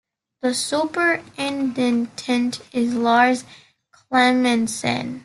The superintendent is Lars Clemensen.